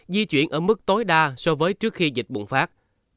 di chuyển ở mức tối đa so với trước khi dịch bùng phát